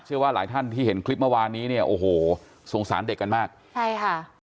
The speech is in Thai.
เชื่อว่าหลายท่านที่เห็นคลิปเมื่อวานนี้เนี่ยโอ้โหสงสารเด็กกันมากใช่ค่ะ